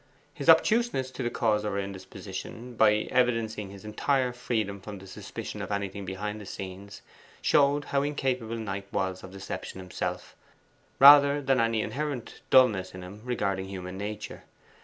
His obtuseness to the cause of her indisposition, by evidencing his entire freedom from the suspicion of anything behind the scenes, showed how incapable Knight was of deception himself, rather than any inherent dulness in him regarding human nature.